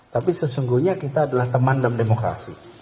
tapi sesungguhnya kita adalah teman dalam demokrasi